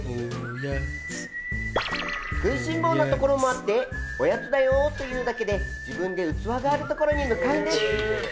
食いしん坊なところもあっておやつだよと言うだけで自分で器があるところに向かうんです。